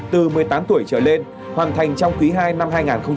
từ một mươi tám tuổi trở lên hoàn thành trong quý hai năm hai nghìn hai mươi hai